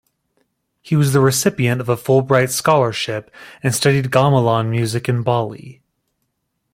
He was the recipient of a Fulbright Scholarship and studied gamelan music in Bali.